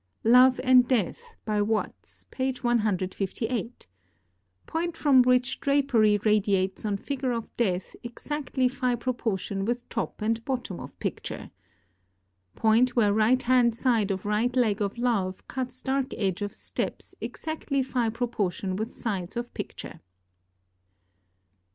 "Love and Death," by Watts, page 158 [Transcribers Note: Plate XXXV]. Point from which drapery radiates on figure of Death exactly Phi proportion with top and bottom of picture. Point where right hand side of right leg of Love cuts dark edge of steps exactly Phi proportion with sides of picture.